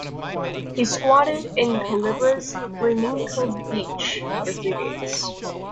He squatted in Culebra's Flamenco Beach for three days.